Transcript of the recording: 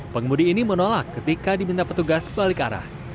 pengemudi ini menolak ketika diminta petugas balik arah